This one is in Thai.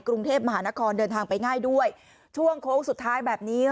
กรุงเทพมหานครเดินทางไปง่ายด้วยช่วงโค้งสุดท้ายแบบนี้